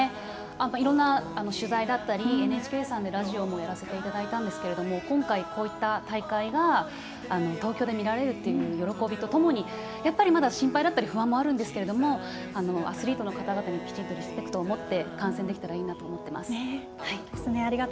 いろんな取材だったりＮＨＫさんでラジオもやらせていただいたんですけど今回、こういった大会が東京で見られる喜びとともにまだ心配だったり不安もあるんですけどアスリートの方々にきちんとリスペクトをもって観戦できたらいいなと思っています。